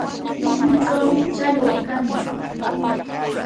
Chay pukyutrawmi challwa kan.